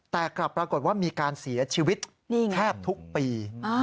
แต่กลับปรากฏว่ามีการเสียชีวิตแทบทุกปี